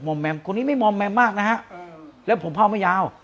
มอมแมมคนนี้ไม่มอมแมมมากนะฮะและผมพ่อมายาว